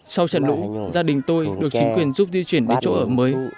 sau trận lũ gia đình tôi được chính quyền giúp di chuyển đến chỗ ở mới